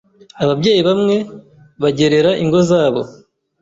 Ababyeyi bamwe bagerera ingo zabo